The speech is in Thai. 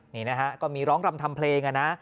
นี่นะฮะก็มีร้องรำทำเพลงนะ